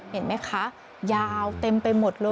เห็นไหมคะยาวเต็มไปหมดเลย